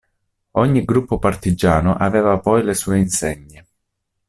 Ogni gruppo partigiano aveva poi le sue insegne.